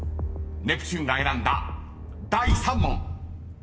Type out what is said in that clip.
［ネプチューンが選んだ第３問］